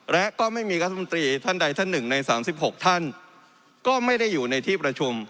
และก็ไม่มีรัฐมนตรีท่านใดท่านหนึ่งใน๓๖ท่านก็ไม่ได้อยู่ในที่ประชุม